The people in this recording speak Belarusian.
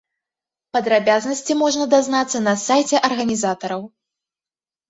Падрабязнасці можна дазнацца на сайце арганізатараў.